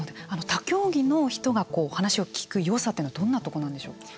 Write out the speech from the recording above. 他競技の人が話を聞く良さというのはどんなところなんでしょうか。